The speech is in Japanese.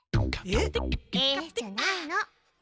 「えっ？」じゃないの。